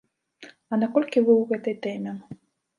А наколькі вы ў гэтай тэме?